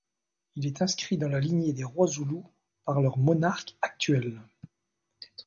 Il est inscrit dans la lignée des rois zoulous par leur monarque actuel.